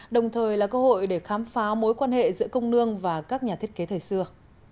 đồng thời là cơ hội để khám phá mối quan hệ giữa công nương và các nhà thiết kế thời xưa